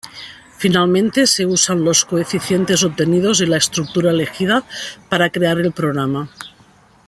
Finalmente se usan los coeficientes obtenidos y la estructura elegida para crear el programa.